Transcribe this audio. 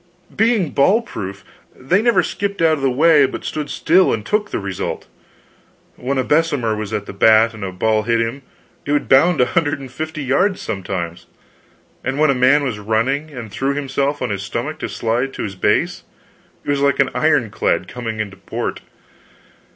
Being ball proof, they never skipped out of the way, but stood still and took the result; when a Bessemer was at the bat and a ball hit him, it would bound a hundred and fifty yards sometimes. And when a man was running, and threw himself on his stomach to slide to his base, it was like an iron clad coming into port.